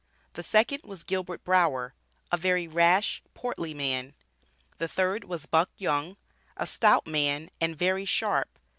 The second was "Gilbert Brower, a very rash, portly man." The third was "Buck Young, a stout man, and very sharp."